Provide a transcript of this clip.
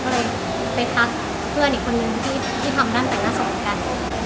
ก็เลยไปทักเพื่อนอีกคนนึงที่ทำด้านแต่งหน้าสอนกัน